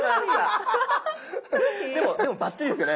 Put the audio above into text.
でもバッチリですよね